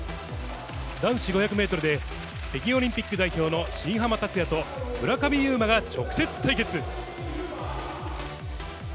男子５００メートルで、北京オリンピック代表の新濱立也と、村上右磨が直接対決。